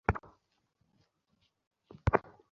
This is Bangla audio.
এই গাইড এখানে কি করছে?